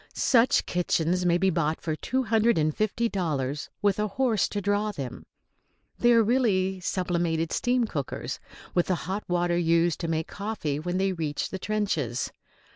Such kitchens may be bought for two hundred and fifty dollars, with a horse to draw them. They are really sublimated steam cookers, with the hot water used to make coffee when they reach the trenches.